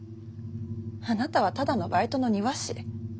あなたはただのバイトの庭師。